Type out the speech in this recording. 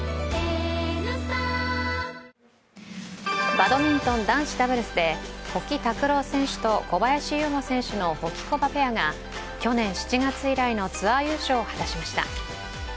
バドミントン男子ダブルスで保木卓朗選手と小林優吾選手のホキコバペアが去年７月以来のツアー優勝を果たしました。